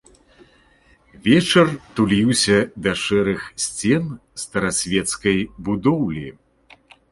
Вечар туліўся да шэрых сцен старасвецкай будоўлі.